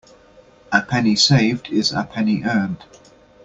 A penny saved is a penny earned.